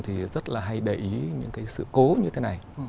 thì rất là hay để ý những cái sự cố như thế này